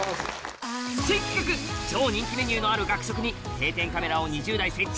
新企画超人気メニューのある学食に定点カメラを２０台設置